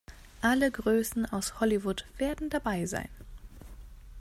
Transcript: Alle Größen aus Hollywood werden dabei sein.